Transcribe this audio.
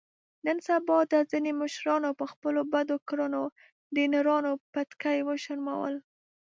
نن سبا دا ځنې مشرانو په خپلو بدو کړنو د نرانو پټکي و شرمول.